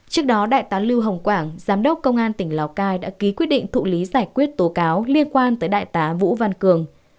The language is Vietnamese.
trước đó đại tá lưu hồng quảng giám đốc công an tỉnh lào cai đã ký quyết định thụ lý giải quyết tố cáo liên quan tới đại tá vũ văn cường